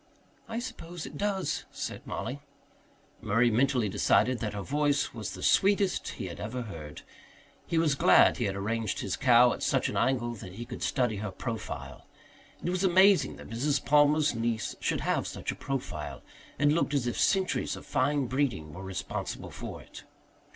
"I suppose it does," said Mollie. Murray mentally decided that her voice was the sweetest he had ever heard. He was glad he had arranged his cow at such an angle that he could study her profile. It was amazing that Mrs. Palmer's niece should have such a profile. It looked as if centuries of fine breeding were responsible for it.